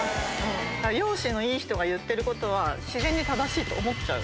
容姿のいい人が言ってることは自然に正しいと思っちゃう。